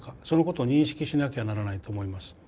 そのことを認識しなきゃならないと思います。